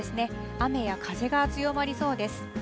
雨や風が強まりそうです。